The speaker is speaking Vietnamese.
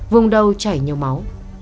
vuông đầu chảy nhiều máu